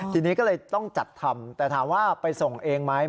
ทีนี้ก็เลยต้องจัดทำแต่ถามว่าไปส่งเองไหม